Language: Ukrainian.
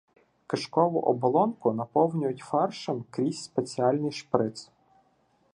Кишкову оболонку наповнюють фаршем крізь спеціальний шприц.